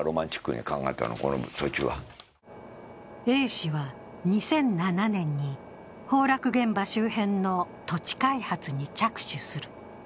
Ａ氏は２００７年に崩落現場周辺の土地開発に着手する。